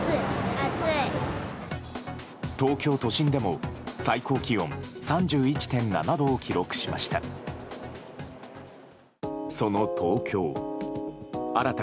東京都心でも最高気温３１．７度を記録しました。